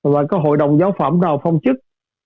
và có hội đồng giáo phẩm nào phong chức